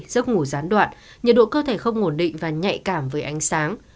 giấc ngủ gián đoạn nhiệt độ cơ thể không ổn định và nhạy cảm với ánh sáng